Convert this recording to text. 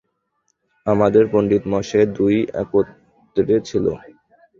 আমাদের পণ্ডিতমহাশয়ের দুই একত্রে ছিল।